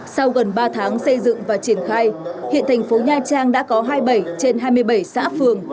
sau gần ba tháng xây dựng và triển khai hiện thành phố nha trang đã có hai mươi bảy trên hai mươi bảy xã phường